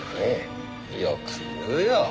よく言うよ